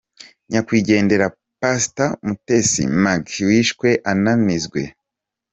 Nyakwigendera Pastor Mutesi Maggie wishwe anizwe